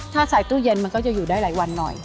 ถ้าใส่ตู้เย็นมันก็จะอยู่ได้หลายวันหน่อย